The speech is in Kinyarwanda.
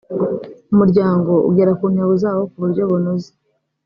umuryango ugera ku ntego zawo ku buryo bunoze